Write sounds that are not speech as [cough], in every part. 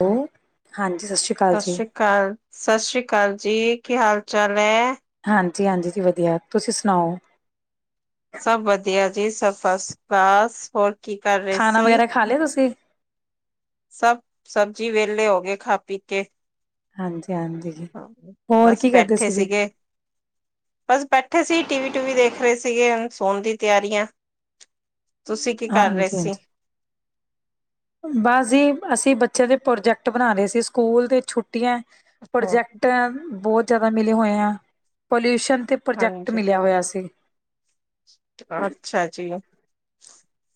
ਹੋ ਸਸ਼ੀ ਕਾਲ, ਸਸ਼ੀ ਕਾਲ ਜੀ ਕੀ ਹਾਲ ਚਾਲ ਐ? ਹਾਂਜੀ ਹਾਂਜੀ ਜੀ ਵਧੀਆ, ਤੁਸੀ ਸੁਨਾਓ? ਸਭ ਵਧੀਆ ਜੀ, ਸਬ ਫਸ ਕਲਾਸ, ਹੋਰ ਕੀ ਕਰ ਰਏ ਖਾਣਾ ਸੀ? ਵਗੈਰਾ ਖਾ ਲਿਆ ਤੁਸੀਂ? ਸਬ ਸਮਝੀ ਵੇਲੇ ਹੋ ਗਏ ਖਾ ਪੀ ਕੇ ਹਾਂਜੀ। ਬਸ ਬੈਠੇ ਸੀ ਜੀ? ਸੀਗੇ, ਬਸ ਬੈਠੇ ਸੀ ਟੀਵੀ ਟੁਵੀ ਦੇ ਖ ਰਏ ਸੀਗੇ ਹੁਨ ਸੋਨ ਦੀ ਤਿਆਰੀ ਆ। ਹਾਂਜੀ, ਹਾਂਜੀ, ਬਸ ਜੀ ਅਸੀ ਬੱਚੇਆਂ ਦੇ ਪਰੋਜੈਕਟ ਬਨਾ ਰਏ ਸੀ ਸਕੂਲ ਦੇ ਛੁੱਟੀਆਂ ਹੋ ਪਰੋਜੈਕਟ ਬੋਤ ਜਾਦਾ ਮਿਲੇ ਹੋਏ ਆ ਪੋਲਿਊਸ਼ਨ ਤੇ ਪ੍ਰੋਜੈਕਟ ਹਾਂਜੀ, ਮਿਲਿਆ ਹੋਏਆ ਸੀ। ਅੱਛਾ ਜੀ।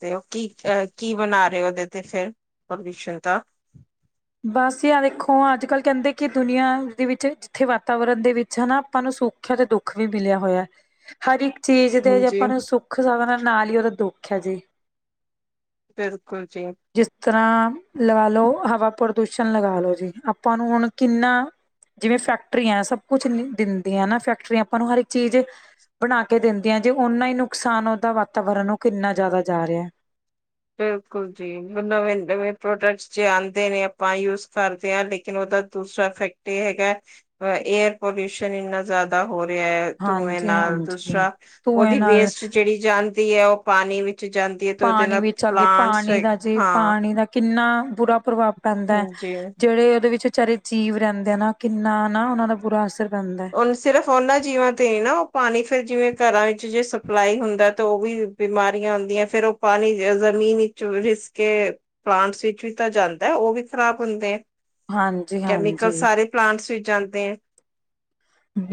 ਤੇ ਓ ਕੀ ਕੀ ਬਨਾ ਰਏ ਓਦੇ ਤੇ ਫੇਰ ਪਬਲਿਸ਼ਰ ਦਾ? ਬਸ ਐ ਵੇਖੋ ਅੱਜ-ਕੱਲ ਕੈਂਦੇ ਕਿ ਦੁਨੀਆਂ ਦੇ ਵਿੱਚ ਜਿੱਥੇ ਵਾਤਾਵਰਨ ਦੇ ਵਿੱਚ ਹਨਾ ਆਪਾਂ ਨੂੰ ਸੋਖ ਆ ਤੇ ਦੁੱਖ ਵੀ ਮਿਲਿਆ ਹੋਏਆ, ਹਰ ਇੱਕ ਚੀਜ਼ ਤੇ ਜੇ ਹਾਂਜੀ ਆਪਾਂ ਨੂੰ ਸੁੱਖ ਸਾਧਨਾ ਨਾਲ ਈ ਓਦਾ ਦੁੱਖ ਐ ਜੀ। ਬਿਲਕੁਲ ਜੀ। ਜਿਸ ਤਰਾਂ ਲਵਾ ਲਓ ਹਵਾ ਪ੍ਰਦੂਸ਼ਨ ਲਗਾ ਲੋ ਜੀ ਅੱਪਾ ਨੂੰ ਹੁਣ ਕਿੰਨਾ ਜਿਵੇ ਫੈਕਟਰੀਆਂ ਸਭ ਕੁਛ ਦਿੰਦੀਆਂ ਨਾ ਫੈਕਟਰੀ ਆਪਾਂ ਨੂੰ ਹਰ ਇੱਕ ਚੀਜ ਬਣਾ ਕੇ ਦਿੰਦੀਆ ਜੇ ਓਨਾ ਈ ਨੁਕਸਾਨ ਓਦਾ ਵਾਤਾਵਰਨ ਨੂੰ ਕਿੰਨਾ ਜਾਦਾ ਜਾ ਰਿਐ। ਬਿਲਕੁਲ ਜੀ, ਨਵੇਂ ਨਵੇਂ ਪ੍ਰੋਡਕਟਸ ਜੇ ਆਂਦੇ ਨੇ ਆਪਾਂ ਯੂਸ ਕਰਦੇ ਆ ਲੇਕਿਨ ਦੂਸਰਾ ਫੈਕਟ ਇਹ ਹੈਗਾ ਏਅਰ ਪੋਲਿਊਸ਼ਨ ਇੰਨਾ ਜਾਦਾ ਹੋ ਰਿਐ, ਧੂੰਏ ਹਾਂਜੀ ਨਾਲ ਹਾਂਜੀ ਦੂਸਰਾ ਧੂੰਏ ਓਦੀ ਨਾਲ ਵੇਸਟ ਜੇੜੀ ਜਾਂਦੀ ਐ ਓ ਪਾਣੀ ਵੀ ਵਿੱਚ ਜਾਂਦੀ ਐ ਤੇ ਓਦੇ ਪਾਣੀ ਨਾਲ ਵੀ ਚੱਲਦੀ ਪਲਾਂਟਸ ਪਾਣੀ ਦਾ ਜੀ ਹਾਂ ਪਾਣੀ ਦਾ ਕਿੰਨਾ ਬੁਰਾ ਪ੍ਰਭਾਵ ਪੈਂਦੈ ਹਾਂਜੀ ਜੇੜੇ ਓਦੇ ਵਿੱਚ ਵਿਚਾਰੇ ਜੀਵ ਰੈਂਦੇ ਆ ਨਾ ਕਿੰਨਾ ਨਾ ਓਨਾਂ ਦਾ ਬੁਰਾ ਪੈਂਦਾ। ਹੈ। ਓਨ ਸਿਰਫ ਓਨਾਂ ਜੀਵਾਂ ਤੇ ਈ ਨਾ ਓ ਪਾਨੀ ਫਿਰ ਜਿਵੇਂ ਘਰਾ ਵਿੱਚ ਜੇ ਸਪਲਾਈ ਹੁੰਦਾ ਤਾਂ ਓ ਵੀ ਬਿਮਾਰੀਆ ਆਂਦਿਆ ਫੇਰ ਓ ਪਾਨੀ ਜ਼ਮੀਨ ਵਿੱਚ ਰਿਸ ਕੇ ਪਲਾਂਟਸ ਵਿੱਚ ਵੀ ਤਾਂ ਜਾਂਦਾ ਓ ਵੀ ਖਰਾਬ ਹੁੰਦੇ ਆ। ਹਾਂਜੀ ਕੈਮੀਕਲ ਹਾਂਜੀ ਸਾਰੇ ਪਲਾਂਟਸ ਵਿੱਚ ਜਾਂਦੇ ਐਂ।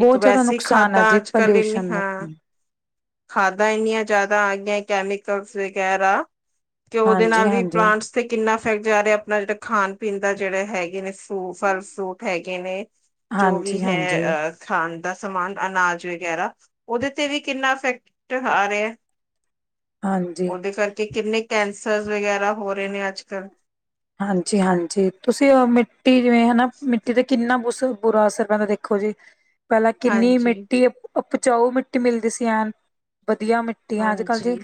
ਇੱਕ ਜ਼ਿਆਦਾ ਵੈਸੇ ਨੁਕਸਾਨ ਖਾਦਾ ਹੈ ਜੀ ਅੱਜ-ਕੱਲ ਇਨੀ, ਪੋਲਿਊਸ਼ਨ ਹਾਂ ਦਾ। ਖਾਦਾਂ ਇੰਨੀਆਂ ਜਿਆਦਾ ਆ ਗਈਆਂ। ਕੈਮੀਕਲਸ ਵਗੈਰਾ ਤੇ ਉਹਦੇ ਨਾਲ ਵੀ ਹਾਂਜੀ-ਹਾਂਜੀ, ਪਲਾਂਟਸ ਤੇ ਕਿੰਨਾ। ਜਾ ਰਿਹਾ ਆਪਣਾ ਜਿਹੜਾ ਖਾਣ ਪੀਣ ਦਾ ਜਿਹੜੇ ਹੈਗੇ ਨੇ ਫਲ ਫਰੂਟ ਹੈਗੇ ਨੇ। ਜੋ ਵੀ ਹਾਂਜੀ ਹੈ ਅ ਖਾਂ। ਦਾ ਸਮਾਨ ਅਨਾਜ ਵਗੈਰਾ ਉਹਦੇ ਤੇ ਵੀ ਕਿੰਨਾ ਇਫੈਕਟ ਆ ਰਿਹਾ। ਹਾਂਜੀ। ਉਹਦੇ ਕਰਕੇ ਕਿੰਨੇ ਕੈਂਸਰਜ਼ ਵਗੈਰਾ ਹੋ ਰਹੇ ਨੇ ਅੱਜ ਕੱਲ੍ਹ। ਹਾਂਜੀ ਹਾਂਜੀ ਤੁਸੀਂ ਮਿੱਟੀ ਜਿਵੇਂ ਹਨਾ ਮਿੱਟੀ ਦੇ ਕਿੰਨਾ ਬੁਸ ਬੁਰਾ ਅਸਰ ਪੈਂਦਾ ਦੇਖੋ ਜੀ ਪਹਿਲਾਂ ਕਿੰਨੀ ਹਾਂਜੀ ਮਿੱਟੀ। ਉਪਜਾਊ ਮਿੱਟੀ ਮਿਲਦੀ ਸੀ ਐਨ ਵਧੀਆ ਮਿੱਟੀ ਅੱਜ ਕੱਲ ਹਾਂਜੀ ਜੀ।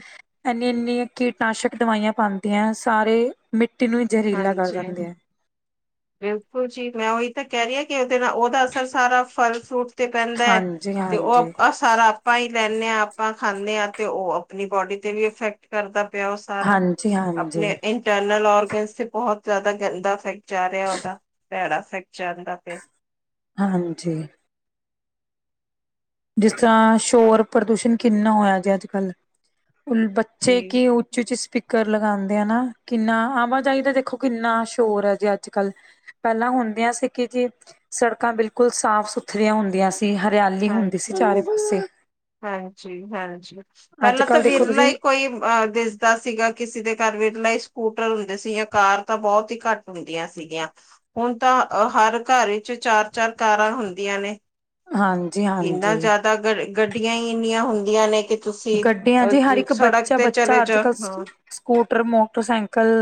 ਇੰਨੀ ਇੰਨੀ ਕੀਟਨਾਸ਼ਕ ਦਵਾਈਆਂ ਪਾਉਂਦੀਆਂ ਸਾਰੇ ਮਿੱਟੀ ਨੂੰ। ਜ਼ਹਿਰੀਲਾ ਕਰ ਹਾਂਜੀ ਦਿੰਦੇ ਆ। ਬਿਲਕੁਲ ਜੀ, ਮੈਂ ਉਹੀ ਤਾਂ ਕਹਿ ਰਿਹੀ ਹਾ। ਉਹਦੇ ਨਾਲ ਉਹਦਾ ਅਸਰ ਸਾਰਾ ਫਲ ਫਰੂਟ ਤੇ ਪੈਂਦਾ ਹੈ ਤੇ ਹਾਂਜੀ-ਹਾਂਜੀ, ਉਹ ਸਾਰਾ ਆਪਾ ਹੀ। ਲੈਂਦੇ ਹਾਂ ਆਪਾਂ ਖਾਂਦੇ ਹਾਂ ਤੇ ਉਹ ਆਪਣੀ ਬੋਡੀ ਤੇ ਵੀ ਇਫੈਕਟ ਕਰਦਾ। ਪਿਆ ਉਹ ਸਾਰਾ ਹਾਂਜੀ-ਹਾਂਜੀ, ਹਾਂਜੀ। ਆਪਣੇ ਇੰਟਰਨਲ ਔਰਗਨਜ। ਤੇ ਬਹੁਤ ਜ਼ਿਆਦਾ ਗੰਦਾ ਇਫੈਕਟ ਜਾ ਰਿਹਾ ਉਹਦਾ ਭੈੜਾ ਇਫੈਕਟ ਜਾਂਦਾ ਪਿਆ। ਹਾਂਜੀ। ਜਿਸ ਤਰ੍ਹਾਂ ਸ਼ੋਰ ਪ੍ਰਦੂਸ਼ਣ ਕਿੰਨਾ ਹੋਇਆ ਜੇ ਅੱਜ ਕੱਲ। ਜੀ ਬੱਚੇ ਕੀ ਉੱਚ ਉੱਚੀ ਸਪੀਕਰ। ਕਰ ਲਗਾਉਂਦੇ ਆ ਨਾ ਕਿੰਨਾ ਆਵਾਜਾਈ ਦਾ ਦੇਖੋ ਕਿੰਨਾ ਸ਼ੋਰ ਹੈ ਜੇ ਅੱਜ ਕੱਲ੍ਹ ਪਹਿਲਾਂ ਹੁਣ। ਹੁੰਦੀਆਂ ਸੀ ਕਿ ਜੀ ਸੜਕਾਂ ਬਿਲਕੁਲ ਸਾਫ਼ ਸੁਥਰੀਆਂ ਹੁੰਦੀਆਂ ਸੀ ਹਰਿਆਲੀ ਹੁੰ ਸੀ ਚਾਰੇ ਹਾਂਜੀ ਪਾਸੇ। ਹਾਂਜੀ ਹਾਂਜੀ ਅੱਜ ਪਹਿਲਾਂ ਤਾਂ ਕੱਲ ਦੇਖੋ ਵਿਰਲਾ ਤੁਸੀਂ ਹੀ ਕੋਈ ਅ ਦਿਸਦਾ ਸੀਗਾ ਕਿਸੇ ਦੇ। ਕਰ ਵਟ ਲ [inaudible] ਸਕੂਟਰ ਸੀ ਕਾਰ ਤਾਂ ਬਹੁਤ ਹੀ ਘੱਟ ਹੁੰਦੀਆਂ ਸੀਗੀਆਂ। ਹੁਣ ਤਾਂ ਹਰ ਘਰ ਵਿੱਚ ਚਾਰ ਚਾਰ। ਸਰਕਾਰਾਂ ਹੁੰਦੀਆਂ ਨੇ। ਹਾਂਜੀ ਇੰਨਾ ਹਾਂਜੀ ਜ਼ਿਆਦਾ ਗੱਡੀਆਂ ਹੀ ਇੰਨੀਆਂ ਹੁੰਦੀਆਂ ਨੇ ਕਿ। ਤੁਸੀਂ ਗੱਡੀਆਂ ਚ ਹਰ ਅ ਇੱਕ ਸੜਕ ਬੱਚਾ ਤੇ ਬੱਚਾ ਚਲੇ ਅੱਜ ਜਾ ਕੱਲ੍ਹ ਹਾਂ ਸਕੂਟਰ ਮੋਟਰਸਾਈਕਲ।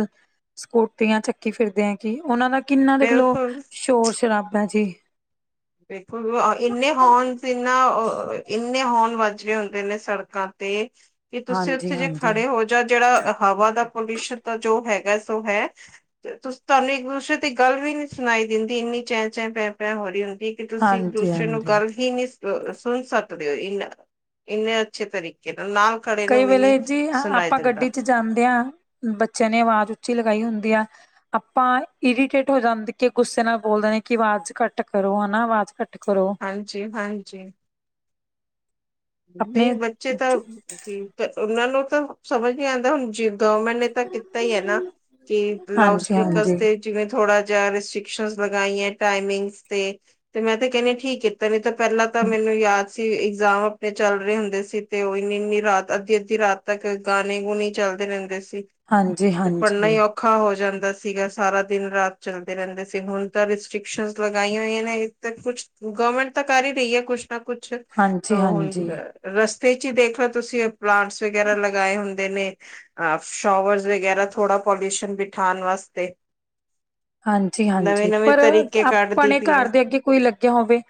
ਸਕੂਟਰੀਆਂ ਚੱਕੀ ਫਿਰਦੇ ਆ ਕਿ ਉਹਨਾਂ ਦਾ ਕਿੰਨਾ ਦੇਖ ਲਓ ਬਿਲਕੁਲ ਸ਼ੋਰ ਸ਼ਰਾਬ ਹੈ ਜੀ। ਬਿਲਕੁਲ ਇੰਨੇ ਹੋਨ ਇਨਾ ਇੰਨੇ ਹੋਨ ਵੱਧ। ਹੁੰਦੇ ਨੇ ਸੜਕਾਂ ਤੇ। ਕਿ ਤੁਸੀਂ ਹਾਂਜੀ ਉੱਥੇ ਜੇ ਹਾਂਜੀ ਖੜੇ ਹੋ ਜਾਂ ਜਿਹੜਾ ਹਵਾ ਦਾ ਪੋਲਿਊਸ਼ਨ ਤਾਂ ਜੋ ਹੈਗਾ। ਹੈ ਸੋ ਹੈ ਤੇ ਤੁਹਾਨੂੰ ਇੱਕ ਦੂਸਰੇ ਦੀ ਗੱਲ ਵੀ ਨੀ ਸੁਣਾਈ ਦਿੰਦੀ ਇੰਨੀ ਚੈ ਚੈ ਪੈ ਪੈ ਹੋ ਰਹੀ ਹੁੰਦੀ। ਕਿ ਤੁਸੀਂ ਇੱਕ ਹਾਂਜੀ ਦੂਸਰੇ ਨੂੰ ਹਾਂਜੀ ਗੱਲ ਹੀ ਨਹੀਂ ਸੁਣ ਸਕਦੇ ਹੋ ਇ ਇੰਨੇ ਅੱਛੇ ਤਰੀਕੇ। ਨਾਲ ਨਾਲ ਖੜੇ ਕਈ ਨੂੰ ਵੀ ਵੇਲੇ ਨੀ ਜੀ ਸੁਣਾਈ ਆਪਾਂ ਦਿੰਦਾ ਗੱਡੀ ਚ ਜਾਂਦੇ ਹਾਂ ਬੱਚਿਆਂ ਨੇ ਆਵਾਜ਼ ਉੱਚੀ ਲਗਾਈ ਹੁੰਦੀ। ਆਪਾਂ ਇਰੀਟੇਟ ਹੋ ਜਾਂ ਕੇ ਗੁੱਸੇ ਨਾਲ ਬੋਲਦੇ ਨੇ ਕਿ ਆਵਾਜ਼ ਘੱਟ ਕਰੋ ਹੈ ਨਾ ਆਵਾਜ਼ ਘੱਟ। ਕਰੋ ਹਾਂਜੀ ਹਾਂਜੀ ਨਹੀਂ ਆਪਣੇ ਬੱਚੇ ਤਾਂ ਕੀ ਉਹਨਾਂ ਨੂੰ ਤਾਂ ਸਮਝ ਨੀ ਆਉਂਦਾ ਹੁਣ ਜਿ। ਗਵਰਮੈਂਟ ਨੇ ਤਾਂ ਕੀਤਾ ਹੀ ਹੈ ਨਾ ਕਿ ਲਾਊਡ ਹਾਂਜੀ ਸਪੀਕਰਸ ਹਾਂਜੀ ਤੇ ਜਿਵੇਂ ਥੋੜ੍ਹਾ। ਰਿਸਟ੍ਰਿਕਸ਼ਨ ਲਗਾਈਆ ਟਾਈਮਿੰਗ ਤੇ ਤੇ ਮੈਂ ਤੇ ਕਹਨੀ ਆ ਠੀਕ ਕੀਤਾ ਨਿਤਾ। ਪਹਿਲਾਂ ਤਾਂ ਮੈਨੂੰ ਯਾਦ ਸੀ ਇਗਜ਼ਾਮ। ਤੇ ਚੱਲ ਰਹੇ ਹੁੰਦੇ ਸੀ ਤੇ ਉਹ ਇੰਨੀ ਇੰਨੀ ਰਾਤ ਅੱਧੀ ਅੱਧੀ ਰਾਤ ਤੱਕ ਗਾਣੇ ਗੂਣੇ ਚੱਲਦੇ ਰਹਿੰਦੇ ਸੀ। ਹਾਂਜੀ ਹਾਂਜੀ ਤੇ ਪੜ੍ਹਨਾ ਹਾਂਜੀ ਹੀ ਔਖਾ ਹੋ ਜਾਂਦਾ। ਸੀਗਾ ਸਾਰਾ ਦਿਨ ਰਾਤ ਚੱਲਦੇ ਰਹਿੰਦੇ ਸੀ ਹੁਣ ਤਾਂ ਰਿਸਟ੍ਰਿਕਸ਼ਨ ਲਗਾਈਆਂ ਹੋਈਆਂ ਨੇ ਕੁਛ। ਗਵਰਮੈਂਟ ਤਾਂ ਕਰ ਹੀ ਰਹੀ ਹੈ ਕੁਛ ਨਾ ਕੁਛ ਹੁਣ। ਹਾਂਜੀ ਰਸਤੇ ਚ ਹੀ ਦੇਖ ਲਓ ਤੁਸੀਂ ਪਲਾਂਟਸ ਵਗੈਰਾ ਲਗਾਏ ਹੁੰਦੇ। ਨੇ ਸ਼ਾਵਰਜ ਵਗੈਰਾ ਥੋੜਾ ਪੋਲਿਊਸ਼ਨ ਬਿਠਾਉਣ ਵਾਸਤੇ। ਹਾਂਜੀ ਨਵੇਂ ਹਾਂਜੀ ਨਵੇਂ ਪਰ ਤਰੀਕੇ ਕੱਢਦੀ ਆਪਣੇ ਪਈ ਹੈ ਘਰ ਦੇ ਅੱਗੇ ਕੋਈ ਲੱਗਿਆ ਹੋਵੇ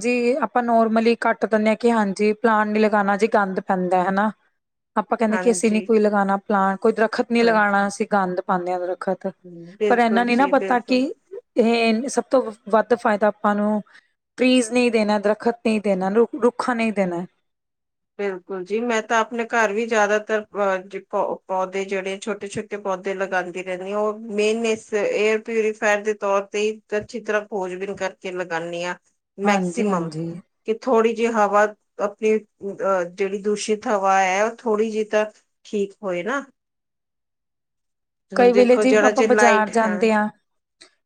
ਜੇ ਆਪਾਂ। ਆਪ ਨੋਰਮਲੀ ਕੱਟ ਦਿੰਦੇ ਹਾਂ ਕਿ ਹਾਂਜੀ ਪਲਾਂਟ ਨੀ ਲਗਾਉਣਾ ਜੀ ਗੰਦ ਪੈਂਦਾ ਹੈ ਨਾਂ। ਆਪਾਂ ਕਹਿੰਦੇ ਕਿ ਅਸੀਂ ਨੀ ਹਾਂਜੀ ਕੋਈ ਲਗਾਉਣਾ ਪਲਾਂਟ ਕੋਈ ਦਰੱਖ਼ਤ ਨੀ ਲਗਾਉਣਾ ਅਸੀਂ ਗੰਦ ਪਾਉਂਦੇ ਹਾਂ ਦਰਖਤ। ਖਤਾਂ ਹਾਂਜੀ ਪਰ ਇਹਨਾ ਬਿਲਕੁਲ ਨੀ ਨਾ ਜੀ ਪਤਾ ਕਿ ਬਿਲਕੁਲ ਇਹ- ਸਭ ਤੋਂ ਵੱਧ ਫਾਇਦਾ ਆਪਾਂ ਨੂੰ ਫ੍ਰੀਜ਼ ਨਹੀਂ ਦੇਣਾ ਦਰੱਖਤ ਨਹੀਂ ਦੇਣਾ ਰੁ- ਰੁੱਖਾ ਨਹੀਂ ਹੂੰ ਦੇਣਾ ਬਿਲਕੁਲ ਜੀ ਮੈਂ ਤਾਂ ਆਪਣੇ ਘਰ ਵੀ ਜ਼ਿਆਦਾ ਤਰ ਪੌਦੇ ਜਿਹੜੇ ਛੋਟੇ-ਛੋਟੇ ਪੌਦੇ ਲਗਾਂਦੀ ਰਹਿੰਣੀ ਹਾਂ ਉਹ ਮੇਨ ਇਸ ਇਹ ਪਿਊਰੀਫਾਇਰ ਦੇ ਤੌਰ ਤੇ ਅੱਛੀ ਤਰ੍ਹਾਂ ਖੋਜਬੀਨ ਕਰਕੇ ਲਗਾਣੀ ਆ ਹਾਂਜੀ ਮੈਕਸੀਮਮ ਹਾਂਜੀ ਕਿ ਥੋੜੀ ਜਿ ਹਵਾ- ਆਪਣੀ ਅਹ ਜਿਹੜੀ ਦੂਸ਼ਿਤ ਹਵਾ ਹੈ ਉਹ ਥੋੜ੍ਹੀ ਜਿਹੀ ਤਾਂ ਠੀਕ ਹੋਏ ਨਾ ਹੁਣ ਕਈ ਵੇਲੇ ਦੇਖੋ ਜੀ ਜਿਹੜਾ ਆਪਾਂ ਜੇ ਬਾਜ਼ਾਰ ਲਾਈਟ ਹੈ ਜਾਂਦੇ ਹਾਂ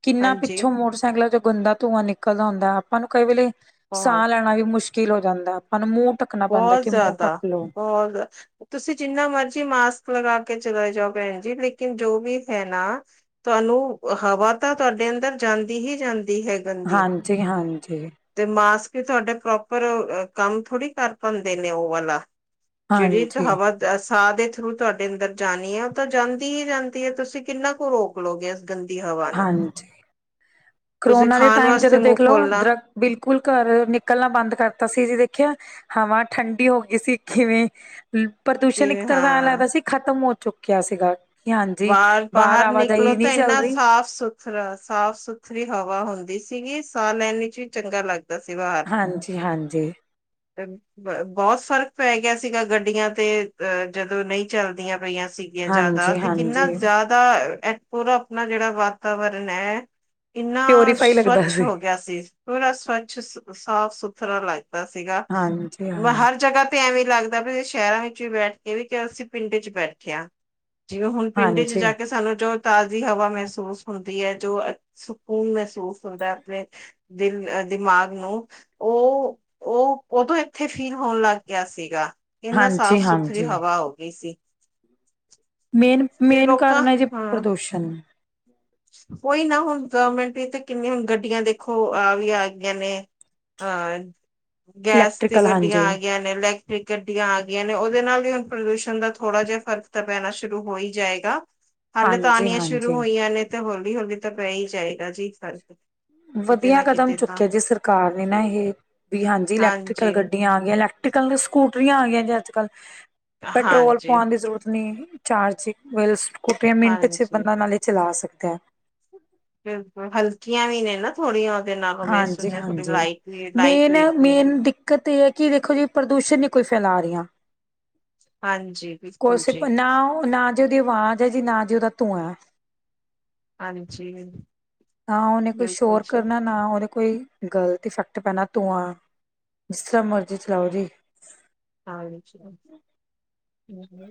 ਕਿੰਨਾ ਹਾਂਜੀ ਪਿੱਛੋਂ ਮੋਟਰਸਾਈਕਲਾਂ ਚੋ ਗੰਦਾ ਧੂੰਆਂ ਨਿਕਲਦਾ ਹੁੰਦਾ ਆਪਾਂ ਨੂੰ ਕਈ ਵੇਲੇ ਬਹੁਤ ਸਾਹ ਲੈਣਾ ਵੀ ਮੁਸ਼ਕਿਲ ਹੋ ਜਾਂਦਾ। ਨੂੰ ਮੂੰਹ ਢੱਕਣਾ ਪੈਂਦਾ ਬਹੁਤ ਕਿ ਮੂੰਹ ਜ਼ਿਆਦਾ ਢੱਕ ਲਓ ਬਹੁਤ ਤੁਸੀਂ ਜਿੰਨਾ ਮਰਜੀ ਮਾਸਕ ਲਗਾ ਕੇ ਚਲਾ ਜਾਓ ਭੈਣ ਜੀ ਲੇਕਿਨ ਜੋ ਵੀ ਹੈ ਨਾ ਤੁਹਾਨੂੰ ਹਵਾ ਤਾਂ ਤੁਹਾਡੇ ਅੰਦਰ ਜਾਂ- ਦੀ ਹੀ ਜਾਂਦੀ ਹੈ ਗੰਦੀ ਹਾਂਜੀ ਹਾਂਜੀ ਤੇ ਮਾਸਕ ਤੇ ਤੁਹਾਡੇ ਪ੍ਰੋਪਰ ਕੰਮ ਥੋੜ੍ਹੀ ਕਰ ਪਾਂਦੇ ਨੇ ਉਹ ਵਾਲਾ ਜਿਹੜੀ ਹਾਂਜੀ ਹਵਾ ਸਾਹ ਦੇ ਥਰੂ ਤੁਹਾਡੇ ਅੰਦਰ ਜਾਣੀ ਉਹ ਤਾਂ ਜਾਂਦੀ ਹੀ ਜਾਂਦੀ ਹੈ ਤੁਸੀਂ ਕਿੰਨਾ ਕੁ ਰੋਕ ਲਓਗੇ- ਗੰਦੀ ਹਵਾ ਨੂੰ- ਹਾਂਜੀ ਤੁਸੀਂ ਕਰੋਨਾ ਦੇ ਖਾਣ ਟਾਈਮ ਜਦੋਂ ਵਾਸਤੇ ਮੂੰਹ ਦੇਖ ਲਓ ਖੋਲਣਾ ਦਰਤ ਬਿਲਕੁਲ ਘਰ ਨਿਕਲਣਾ ਬੰਦ ਕਰਤਾ ਸੀ ਜ ਦੇਖਿਆ- ਹਵਾ ਠੰਡੀ ਹੋ ਗਈ ਸੀ ਕਿਵੇਂ ਪ੍ਰਦੂਸ਼ਣ ਇੱਕ ਕਿ ਤਰ੍ਹਾਂ ਦਾ ਐਂ ਹਾਂ ਲੱਗਦਾ ਸੀ ਖਤਮ ਹੋ- ਚੁੱਕਿਆ ਸੀਗਾ। ਹਾਂਜੀ ਬਾਰ ਬਾਹਰ ਆਵਾਜਾਈ ਨਿਕਲੋ ਤਾਂ ਨਹੀਂ ਚੱਲ ਇੰਨਾ ਰਹੀ ਸਾਫ਼-ਸੁਥਰਾ ਸਾਫ-ਸੁਥਰਾ ਫ੍ਰੀ ਹਵਾ ਹੁੰਦੀ ਸੀਗੀ ਸਾਹ ਲੈਣੇ ਚ ਵੀ ਚੰਗਾ ਲੱਗ ਸੀ ਵਾਰ ਹਾਂਜੀ ਹਾਂਜੀ ਤੇ ਬ ਬਹੁਤ ਸਾਰੇ ਪੈ ਗਿਆ ਸੀਗਾ ਗੱਡੀਆਂ ਤੇ ਅ ਜਦੋਂ ਨਹੀਂ ਚਲਦੀਆਂ ਪਈਆਂ ਸੀਗੀਆਂ ਜ਼ਿਆਦਾ ਹਾਂਜੀ ਤੇ ਇਨਾ ਹਾਂਜੀ ਜ਼ਿਆਦਾ ਐ ਖੋਰਾ ਆਪਣਾ ਜਿਹੜਾ ਵਾਤਾਵਰਨ ਐ- ਇੰਨਾ ਪਿਓਰੀਫਾਈ ਲੱਗਦਾ ਸਵੱਮਛ ਹੋ ਗਿਆ ਸੀ ਪੂਰਾ ਸਵੱਛ ਸਾਫ-ਸੁਥਰਾ ਲੱਗ ਗ ਸੀਗਾ ਹਾਂਜੀ ਹਾਂ ਹਰ ਜਗ੍ਹਾ ਤੇ ਐਵੇਂ ਲੱਗਦਾ ਵੀ- ਸ਼ਹਿਰਾਂ ਵਿੱਚ ਵੀ ਬੈਠ ਕੇ ਵੀ ਅਸੀਂ ਪਿੰਡ ਚ ਬੈਠੇ ਹਾਂ ਜਿਵੇਂ ਹੁਣ ਪਿੰਡ ਚ ਹਾਂਜੀ ਜਾ ਕੇ ਸਾਨੂੰ ਜੋ- ਤਾਜ਼ੀ ਹਵਾ ਮਹਿਸੂਸ ਹੁੰਦੀ ਹੈ ਜੋ ਸਕੂਨ ਮਹਿਸੂਸ ਹੁੰਦਾ ਆਪਣੇ ਦਿਲ- ਦਿਮਾਗ ਨੂੰ ਉਹ ਉਹ ਉਦੋਂ ਇੱਥੇ ਫੀਲ ਹੋਣ ਲੱਗ ਗਿਆ ਸੀਗਾ। ਇੰਨਾ ਸਾਫ਼ ਹਾਂਜੀ ਸੁਥਰੀ ਹਾਂਜੀ ਹਵਾ ਹੋ ਗਈ ਸੀ। ਮੇਨ ਤੇ ਮੇਨ ਲੋਕਾਂ ਕਾਰਨ ਹੈ ਜੇ ਹਾਂ ਪ੍ਰਦੂਸ਼ਣ- ਕੋਈ ਨਾ ਹੁਣ ਗਵਰਮੈਂਟ ਵੀ ਤਾਂ ਕਿੰਨੀਆਂੁਣ ਗੱਡੀਆਂ ਦੇਖੋ ਆ ਵੀ ਆ ਗਈਆਂ ਨੇ- ਅਹ ਗੈਸ ਦੀ ਇਲੈਕਟ੍ਰੀਕਲ ਗੱਡੀਆਂ ਹਾਂਜੀ ਆ ਗਈਆਂ ਨੇ ਇਲੈਕਟ੍ਰਿਕ ਗੱਡੀਆਂ ਆ ਗਈਆਂ ਨੇ ਉਹ- ਉਹਦੇ ਨਾਲ ਹੀ ਹੁਣ ਪ੍ਰਦੂਸ਼ਣ ਦਾ ਥੋੜਾ ਜਿਹਾ ਫਰਕ ਤਾਂ ਪੈਣਾ ਸ਼ੁਰੂ ਹੋ ਹੀ ਜਾਏਗਾ। ਹਲੇ ਤਾਂ ਹਾਂਜੀ ਆਣੀਆਂ ਸ਼ੁਰੂ ਹਾਂਜੀ ਹੋਈਆਂ ਨੇ ਤੇ ਹੌਲੀ-ਹੌਲੀ ਤਾਂ ਪੈ ਹੀ ਜਾਏਗਾ ਜੀ ਫਰਕ ਵਧੀਆ ਕਦਮ ਚੁੱਕਿਆ ਜੇ ਸਰਕਾਰ ਨੇ ਨਾ ਇਹ ਵੀ ਹਾਂਜੀ ਇਲੈਕਟ੍ਰਕਲ ਗੱਡੀਆਂ ਆ ਗਈ ਇਲੈਕ ਕੀ ਕਾਂਗੇ ਸਕੂ ਟਰੀਆਂ ਆ ਗਈਆਂ ਅੱਜ-ਕੱਲ੍ਹ ਪੈਟਰੋਲ ਹਾਂਜੀ ਪਵਾਣ ਦੀ ਜ਼ਰੂਰਤ ਨਹੀਂ ਚਾਰਜੀ ਵੀ ਕੁਠੀਆਂ ਮਿੰਟ ਚ ਹਾਂਜੀ ਬੰਦਾ ਨਾਲੇ ਚਲਾ ਸਕਦਾ ਐ। ਬਿਲਕੁਲ ਹਲਕੀਆਂ ਵੀ ਨੇ ਨਾ ਥੋੜੀਆਂ- ਉਹਦੇ ਨਾਲੋਂ ਮੈਂ ਸੁਣਿਆ ਥੋੜੀ ਹਾਂਜੀ-ਹਾਂਜੀ ਲਾਈਟ ਵੀ ਲਾਈਟ ਮੇਨ ਏ ਵੇਟ ਵੀ ਹੈ ਮੇਨ ਦਿੱਕਤ ਏ ਹੈ ਕਿ ਦੇਖੋ ਜੀ ਪ੍ਰਦੂਸ਼ਣ ਹੀ ਕੋਈ- ਫੈਲਾ ਰਹੀਆਂ ਹਾਂਜੀ ਬਿਲਕੁਲ ਕੋਛ ਜੀ ਨਾ ਨਾ ਜੇ ਉਹਦੀ ਆਵਾਜ਼ ਹੈ ਜੀ ਨਾ- ਤੇ ਉਹਦਾ ਧੂੰਆਂ- ਹਾਂਜੀ। ਹਾਂ ਉਹਨੇ ਕੋਈ ਬਿਲਕੁਲ ਸ਼ੋਰ ਜੀ ਕਰਨਾ ਨਾ ਉਹਦੇ ਕੋਈ ਗਲਤ ਇਫੈਕਟ ਪੈਣਾ ਧੂੰਆਂ ਜਿਸ ਤਰ੍ਹਾਂ ਮਰਜ਼ੀ ਚਲਾਓ ਜੀ। ਹਾਂਜੀ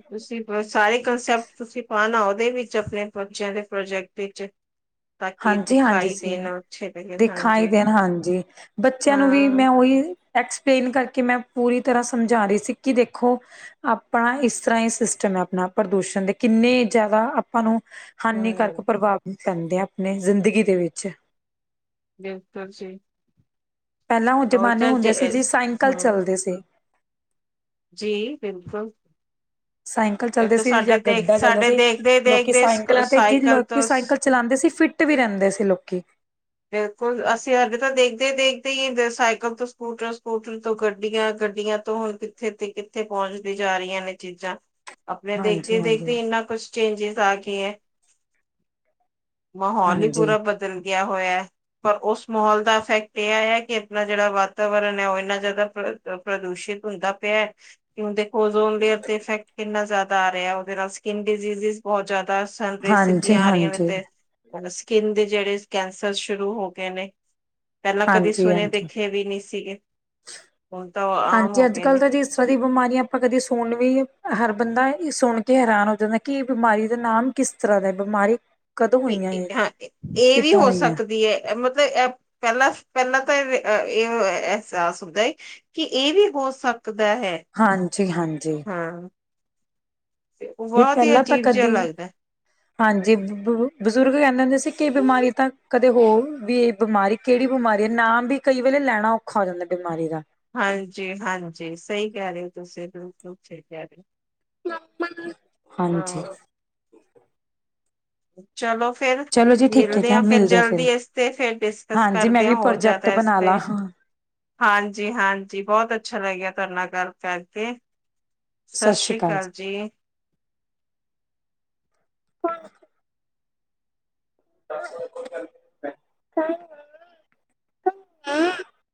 ਤੁਸੀਂ ਸਾਰੇ ਕੰਸੈਪਟ ਤੁਸੀਂ ਪਾਣਾ ਓਰ- ਉਹਦੇ ਵਿੱਚ ਆਪਣੇ ਬੱਚਿਆਂ ਦੇ ਪ੍ਰੋਜੈਕਟ ਇਚ- ਹਾਂਜੀ-ਹਾਂਜੀ ਸੀ- ਲਗੇ ਦਿਖਾਈ ਹਾਂਜੀ ਦੇਣ ਹਾਂਜੀ ਬੱਚਿਆਂ ਨੂੰ ਵੀ ਹਾਂ ਮੈਂ ਉਹੀ ਐਕਸਪਲੇਨ ਕਰਕੇ ਮੈਂ- ਪੂਰੀ ਤਰ੍ਹਾਂ ਸਮਝਾ ਰਹੀ ਸੀ ਕਿ ਦੇਖੋ ਆਪਣਾ ਇਸ ਤਰ੍ਹਾਂ ਇਹ ਸਿਸਟਮ ਹੈ ਆਪਣਾ ਪ੍ਰਦੂਸ਼ਣ ਦੇ ਕਿ ਇੰਨੇ ਜ਼ਿਆਦਾ ਆਪਾਂ ਨੂੰ ਹਾਨੀਕਾਰਕ ਹਮ ਪ੍ਰਭਾਵਿਤ ਪੈਂਦੇ ਆ ਆਪਣੇ ਜ਼ਿੰਦਗੀ ਦੇ ਵਿੱਚ [inaudible] ਪਹਿਲਾਂ ਉਹ ਜਮਾਨੇ ਤਾਂ ਹੁੰਦੇ ਜੇ- ਸੀ ਜੀ ਸਾਇਕਲ ਹਮ ਚੱਲਦੇ ਸੀ। ਜੀ ਬਿਲਕੁਲ ਸਾਈਕਲ ਇਹ ਚੱਲਦੇ ਤਾਂ ਸੀ ਜਾਂ ਸਾਡੇ ਦੇਖ ਗੱਡਾ ਚੱਲਦਾ ਸਾਡੇ ਸੀ ਦੇਖਦੇ ਲੋਕੀ ਦੇਖਦੇ ਸਾਈਕਲਾਂ ਤੇ ਜਿ ਸਾਈਕਲ ਲੋਕੀ ਤੋਂ ਸ- ਸਾਈਕਲ ਚਲਾਉਂਦੇ ਸੀ ਫਿਟ ਵੀ ਰਹਿੰਦੇ ਸੀ ਲੋਕੀ ਬਿਲਕੁਲ ਅਸੀਂ ਸਾਡੇ ਤਾਂ ਦੇਖਦੇ ਹੀ ਦੇਖਦੇ ਹੀ ਸਾਈਕਲ ਤੋਂ ਸਕੂਟਰ ਸਕੂਟਰ ਤੋਂ ਗੱਡੀਆਂ ਗੱਡੀਆਂ ਤੋਂ ਹੁਣ ਕਿੱਥੇ ਤੇ ਕਿੱਥੇ ਪਹੁੰਚਦੀ ਜਾ ਰਹੀਆਂ ਨੇ ਚੀਜ਼ਾਂ ਆਪਣੇ ਹਾਂਜੀ ਦੇਖਦੇ ਹਾਂਜੀ ਦੇਖਦੇ ਇੰਨਾ ਕੁਛ ਚੇਂਜਿਸ ਆ ਗਏ ਹੈ ਮਹੋਲ ਹਾਂਜੀ ਪੂਰਾ ਬਦਲ ਗਿਆ। ਹੋਇਆ ਪਰ ਉਸ ਮਾਹੌਲ ਦਾ ਇਫੈਕਟ ਇਹ ਆ ਕਿ ਆਪਣਾ ਜਿਹੜਾ ਵਾਤਾਵਰਨ ਹੈ ਉਹ ਇੰਨਾ ਜ਼ਿਆਦਾ ਪ੍ਰਦੂਸ਼ਿਤ ਹੁੰਦਾ ਪਿਆ ਕਿਉਂਦੇ ਜੋਨ ਲੇਅਰ ਤੇ ਇਫੈਕਟ ਕਿੰਨਾ ਜ਼ਿਆਦਾ ਆ ਰਿਹਾ ਉਹਦੇ ਨਾਲ ਸਕਿਨ ਡਿਜ਼ਜ਼ ਬਹੁਤ ਜ਼ਿਆਦਾ ਸਨਰੇ ਹਾਂਜੀ ਸਿੱਧੀਆਂ ਆ ਰਹੀਆਂ ਨੇ ਹਾਂਜੀ ਤੇ ਸਕਿੰਨ ਦੇ ਜਿਹੜੇ ਕੈਂਸਰ ਸ਼ੁਰੂ ਹੋ ਗਏ ਨੇ ਪਹਿਲਾਂ ਕਦੇ ਹਾਂਜੀ ਸੁਣੇ ਹਾਂਜੀ ਦੇਖੇ ਵੀ ਨਹੀਂ ਸੀਗੇ। ਹੁਣ ਤਾਂ ਉਹ ਆਮ ਹਾਂਜੀ ਹੋ ਅੱਜ ਗਏ ਨੇ ਕੱਲ੍ਹ ਤਾਂ ਜੀ ਇਸ ਤਰ੍ਹਾਂ ਦੀ ਬਿਮਾਰੀ ਆਪਾਂ ਕਦੇ ਸੁਣ ਵੀ ਹਰ ਬੰਦਾ ਸੁਣ ਕੇ ਹੈਰਾਨ ਹੋ ਜਾਂਦਾ ਕਿ ਇਹ ਬਿਮਾਰੀ ਦਾ ਨਾਮ ਕਿਸ ਤਰ੍ਹਾਂ ਦਾ ਬਿਮਾਰੀ ਕਦੋਂ ਹੋਈਆਂ ਕਿ ਇਹ ਹਾਂ ਇਹ ਵੀ ਕਿੱਦਾਂ ਹੋ ਹੋਈਆਂ ਸਕਦੀ ਹੈ ਇਹ ਪਹਿਲਾਂ ਪਹਿਲਾਂ ਤਾਂ ਇਹ ਅਹਿਸਾਸ ਹੁੰਦਾ ਏ ਕਿ ਇਹ ਵੀ ਬਹੁਤ ਦਾ ਹੈ ਹਾਂਜੀ ਹਾਂਜੀ ਹਾਂ ਵੀ ਬਹੁਤ ਹੀ ਪਹਿਲਾਂ ਤਾਂ ਅਜੀਬ ਜਿਹਾ ਕਦੀ ਲੱਗਦਾ ਹਾਂਜੀ ਬਜ਼ੁਰਗ ਕਹਿੰਦੇ ਹੁੰਦੇ ਸੀ ਕਿ ਬਿਮਾਰੀ ਤਾਂ ਕਦੇ ਹੋ ਵੀ ਇਹ ਬਿਮਾਰੀ ਕਿਹੜੀ ਬਿਮਾਰੀ ਹੈ ਨਾਮ ਵੀ ਕਈ ਵੇਲੇ ਲੈਣਾ ਔਖਾ ਹੋ ਜਾਂਦਾ ਬਿਮਾਰੀ ਦਾ ਹਾਂਜੀ ਹਾਂਜੀ ਸਹੀ ਕਹਿ ਰਹੇ ਹੋ ਤੁਸੀਂ ਕ ਰਹੇ ਹਾਂਜੀ ਹੋ ਹਾਂ ਚਲੋ ਫੇਰ ਚਲੋ ਜੀ ਠੀਕ ਹੈ ਮਿਲਦੇ ਜ ਹਾਂ ਫੇਰ ਆ ਜਲਦੀ ਫਿਰ ਇਸ ਤੇ ਫਿਰ ਡਿਸਕਸ ਹਾਂਜੀ ਮੈਂ ਕਰਦੇ ਹ ਵੀ ਹੋਰ ਪ੍ਰੋਜੈਕਟ ਜ਼ਿਆਦਾ ਬਣਾ ਇਸਤੇ ਲਾ ਹਾਂ ਹਾਂਜੀ ਹਾਂਜੀ ਬਹੁਤ ਅੱਛਾ ਲੱਗਿਆ ਤੁਹਾਡੇ ਨਾਲ ਗੱਲ ਕਰ ਸਤਿ ਸ੍ਰੀ ਅਕਾਲ ਜੀ ਅ ਹੂ